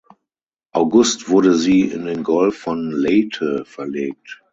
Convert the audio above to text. August wurde sie in den Golf von Leyte verlegt.